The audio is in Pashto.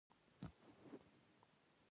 سعودي کې خلک په سپینو جامو مین دي.